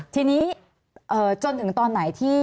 ทีนี้จนถึงตอนไหนที่